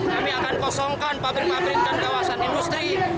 kami akan kosongkan pabrik pabrik dan kawasan industri